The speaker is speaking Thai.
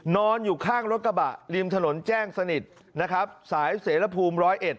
นอนอยู่ข้างรถกระบะริมถนนแจ้งสนิทนะครับสายเสรภูมิร้อยเอ็ด